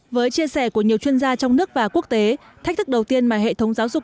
với chia sẻ của nhiều chuyên gia trong nước và quốc tế thách thức đầu tiên mà hệ thống giáo dục